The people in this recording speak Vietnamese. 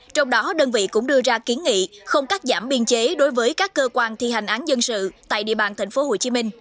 trong đó đơn vị cũng đưa ra kiến nghị không cắt giảm biên chế đối với các cơ quan thi hành án dân sự tại địa bàn tp hcm